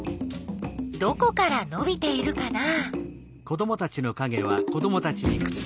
どこからのびているかな？